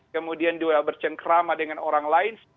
kemudian juga bercengkrama dengan orang lain